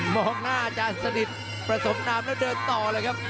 มองหน้าจานสนิทประสงค์น้ำแล้วเดินต่อเลยครับ